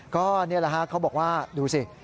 ก็นี่แหละฮะเขาบอกว่าดูสิ